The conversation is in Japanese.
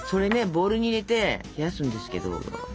ボウルに入れて冷やすんですけど。